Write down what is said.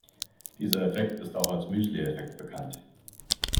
Dieser Effekt ist auch als Müsli-Effekt bekannt.